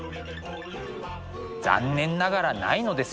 残念ながらないのです。